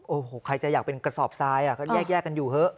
โอ้โหใครจะอยากเป็นกระสอบทรายก็แยกกันอยู่เถอะ